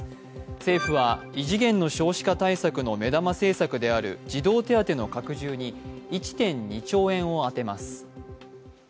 政府は異次元の少子化対策の目玉政策である児童手当の拡充に１．２兆円を充てます。